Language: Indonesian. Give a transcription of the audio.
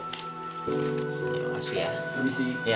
terima kasih ya